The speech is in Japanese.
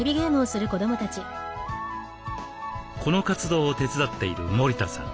この活動を手伝っている森田さん。